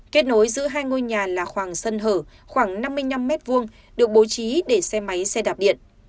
kết nối giữa hai ngôi nhà là khoảng sân hở khoảng năm mươi năm m hai được bố trí để xe máy xe đạp điện